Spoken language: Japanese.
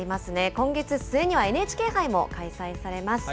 今月末にはＮＨＫ杯も開催されます。